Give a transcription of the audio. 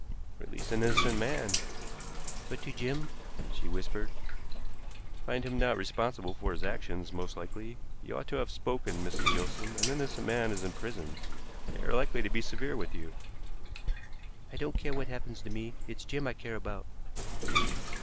"Release an innocent man." "But to Jim?" she whispered. "Find him not responsible for his actions, most likely. You ought to have spoken, Mrs. Gilson. An innocent man is in prison. They are likely to be severe with you." "I don't care what happens to me; it's Jim I care about."